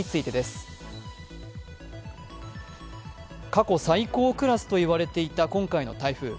過去最高クラスといわれていた今回の台風。